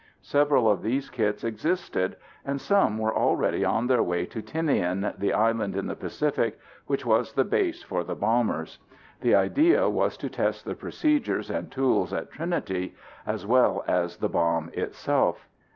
Several of these kits existed and some were already on their way to Tinian, the island in the Pacific which was the base for the bombers. The idea was to test the procedures and tools at Trinity as well as the bomb itself.